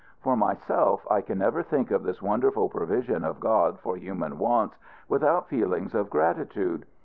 For myself, I can never think of this wonderful provision of God for human wants without feelings of gratitude.